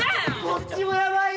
こっちもやばい！